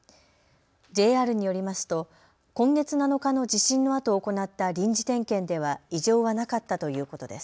ＪＲによりますと今月７日の地震のあと行った臨時点検では異常はなかったということです。